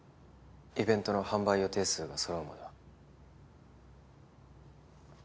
イベントの販売予定数がそろうまでは。